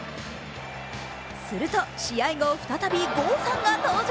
すると試合後、再び郷さんが登場。